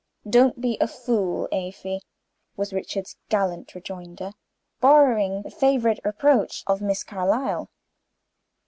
"Don't be a fool, Afy!" was Richard's gallant rejoinder, borrowing the favorite reproach of Miss Carlyle.